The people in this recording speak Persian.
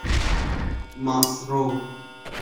ماسرو